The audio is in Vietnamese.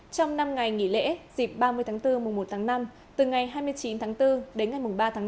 trong năm ngày nghỉ lễ dịp ba mươi tháng bốn mùa một tháng năm từ ngày hai mươi chín tháng bốn đến ngày ba tháng năm